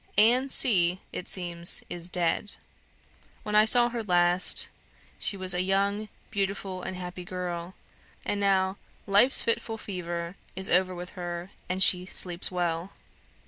Anne C., it seems, is dead; when I saw her last, she was a young, beautiful, and happy girl; and now 'life's fitful fever' is over with her, and she 'sleeps well.'